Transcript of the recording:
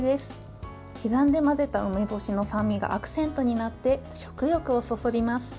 刻んで混ぜた梅干しの酸味がアクセントになって食欲をそそります。